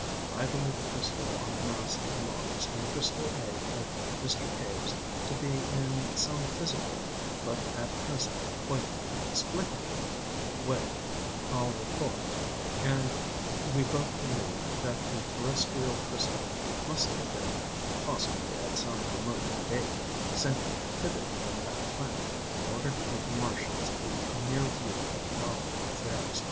I believe the crystal on the mast in Mars and the crystal egg of Mr. Cave's to be in some physical, but at present quite inexplicable, way en rapport, and we both believe further that the terrestrial crystal must have been possibly at some remote date sent hither from that planet, in order to give the Martians a near view of our affairs.